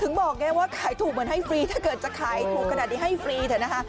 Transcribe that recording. บอกไงว่าขายถูกเหมือนให้ฟรีถ้าเกิดจะขายถูกขนาดนี้ให้ฟรีเถอะนะคะ